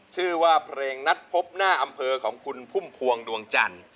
ชื่อว่าเพลงนัดพบหน้าอำเภอของคุณพุ่มพวงดวงจันทร์